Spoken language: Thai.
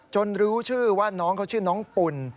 รู้ชื่อว่าน้องเขาชื่อน้องปุ่น